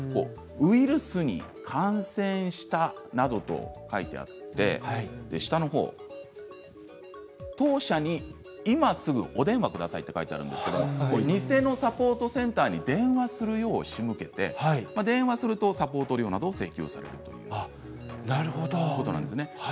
ウイルスに感染したなどと書いてあって、下のほう当社に今すぐお電話くださいと書いてあるんですけれども偽のサポートセンターに電話するようしむけて電話するとサポート料などを請求されるということなんですね。